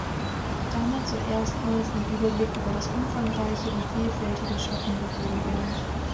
Damit soll erstmals ein Überblick über das umfangreiche wie vielfältige Schaffen gegeben werden.